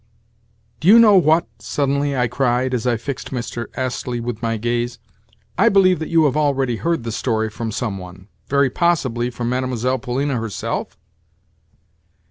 "Do you know what?" suddenly I cried as I fixed Mr. Astley with my gaze. "I believe that you have already heard the story from some one—very possibly from Mlle. Polina herself?"